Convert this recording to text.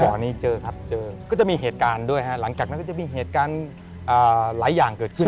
ตอนนี้เจอครับเจอก็จะมีเหตุการณ์ด้วยฮะหลังจากนั้นก็จะมีเหตุการณ์หลายอย่างเกิดขึ้น